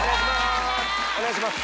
お願いします